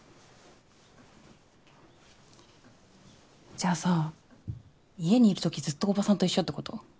じゃあさ家にいる時ずっとおばさんと一緒ってこと？